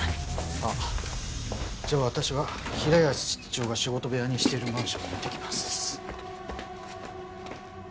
あっじゃあ私は平安室長が仕事部屋にしているマンションを見てきます。